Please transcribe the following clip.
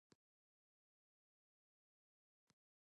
It can be taken with Garri or Ogi.